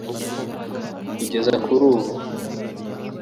Kugeza kuri ubu